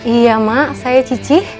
iya mak saya cicih